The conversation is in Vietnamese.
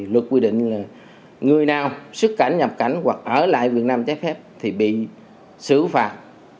luật quy định là người nào xuất cảnh nhập cảnh hoặc ở lại việt nam trái phép thì bị xử phạt